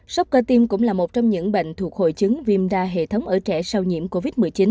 sốc cơ tim cũng là một trong những bệnh thuộc hội chứng viêm da hệ thống ở trẻ sau nhiễm covid một mươi chín